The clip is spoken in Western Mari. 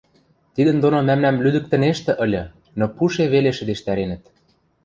Тидӹн доно мӓмнӓм лӱдӹктӹнештӹ ыльы, но пуше веле шӹдештӓренӹт...